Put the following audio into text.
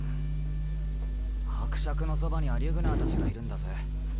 伯爵のそばにはリュグナーたちがいるんだぜ。